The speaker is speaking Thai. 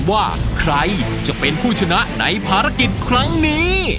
ว่าใครจะเป็นผู้ชนะในภารกิจครั้งนี้